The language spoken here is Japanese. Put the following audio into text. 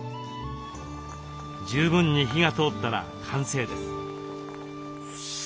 十分に火が通ったら完成です。